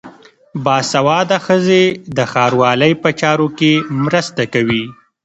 باسواده ښځې د ښاروالۍ په چارو کې مرسته کوي.